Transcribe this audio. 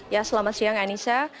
ya selamat siang anissa